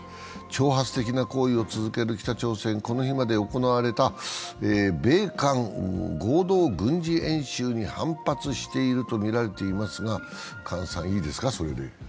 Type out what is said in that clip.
挑発的な行為を続ける北朝鮮、この日まで行われた米韓合同軍事演習に反発しているとみられていますが、姜さんいいですか、それで。